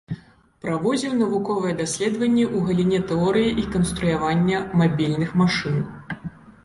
Праводзіў навуковыя даследаванні ў галіне тэорыі і канструявання мабільных машын.